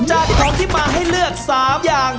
จากของที่มาให้เลือก๓อย่าง